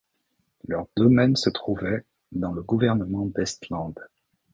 Leurs domaines se trouvaient dans le gouvernement d'Estland.